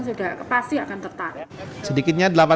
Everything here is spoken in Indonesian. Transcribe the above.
sedikitnya wali kota surabaya tririsma ini berkembang menjadi pasar wisata